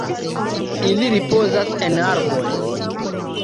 Ili ripozas en arboj.